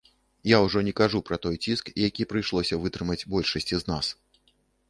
Я ўжо не кажу пра той ціск, які прыйшлося вытрымаць большасці з нас.